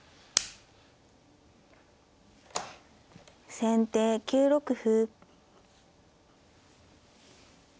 先手９六歩。